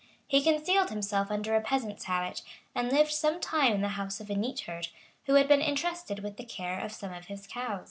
He concealed himself under a peasant's habit, and lived some time in the house of a neat herd, who had been intrusted with the care of some of his cows.